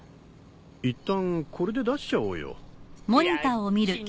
いったんこれで出しちゃおうよ。